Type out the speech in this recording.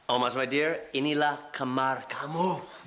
omas sayangku inilah kamar kamu